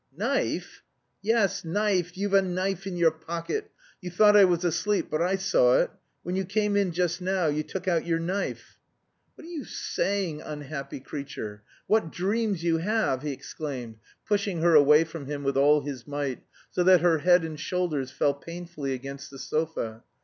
"Knife!" "Yes, knife, you've a knife in your pocket. You thought I was asleep but I saw it. When you came in just now you took out your knife!" "What are you saying, unhappy creature? What dreams you have!" he exclaimed, pushing her away from him with all his might, so that her head and shoulders fell painfully against the sofa.